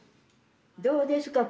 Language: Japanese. どうですか？